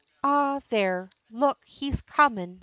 arrah there, look he's comin'!"